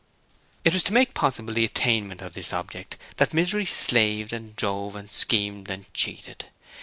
It was to make possible the attainment of this object that Misery slaved and drove and schemed and cheated.